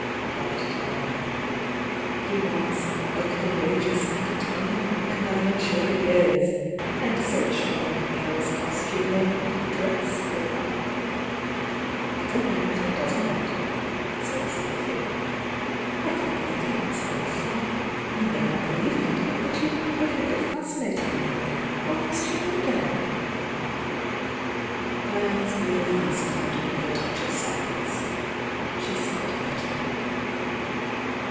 laughed Diana. "He wants 'a courageous and deter mined woman of mature years,' — and so charming a Paris costume may not 'dress' the part!" "Never mind whether it does or not," said Sophy. "I can't believe he wants an old frump! You may not believe me, Di, but you look perfectly fascinat ing in that gown — almost young again!" 7 08 THE VOUXG DIANA Diana's blue eyes clouded with a touch of sadness. She sighed a little.